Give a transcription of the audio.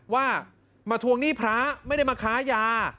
ว่ามาทวงหนี้พระไม่ได้มาค้ายา